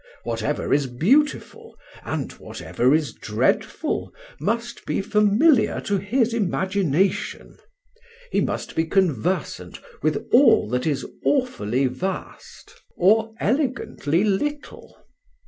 Whatever is beautiful and whatever is dreadful must be familiar to his imagination; he must be conversant with all that is awfully vast or elegantly little.